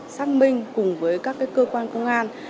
xác minh cùng với các cơ quan công an